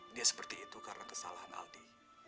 dia seperti itu karena kesalahan aldi